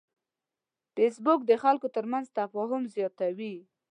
فېسبوک د خلکو ترمنځ تفاهم زیاتوي